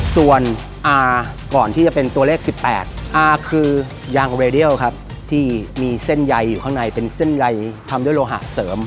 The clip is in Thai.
ส่วนอาก่อนที่จะเป็นตัวเลข๑๘อาคือยางเรเดียลครับที่มีเส้นใยอยู่ข้างในเป็นเส้นใยทำด้วยโลหะเสริม